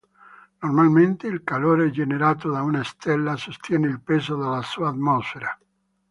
Normalmente, il calore generato da una stella sostiene il peso della sua atmosfera.